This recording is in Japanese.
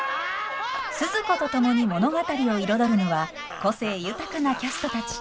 スズ子と共に物語を彩るのは個性豊かなキャストたち。